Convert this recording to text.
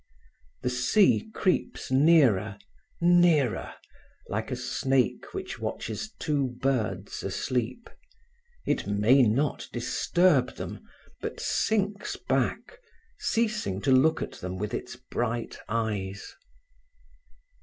The sea creeps nearer, nearer, like a snake which watches two birds asleep. It may not disturb them, but sinks back, ceasing to look at them with its bright eyes.